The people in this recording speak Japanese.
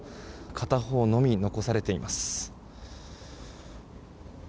片方のみ残されています。